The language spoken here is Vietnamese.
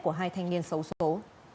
của hai thanh niên xấu xố